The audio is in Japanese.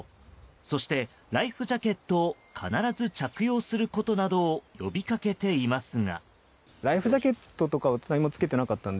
そしてライフジャケットを必ず着用することなどを呼び掛けていますが。